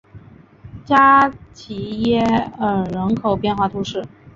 加提耶尔人口变化图示